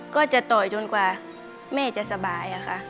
ก็จะต่อยจนกว่าแม่จะสบายค่ะ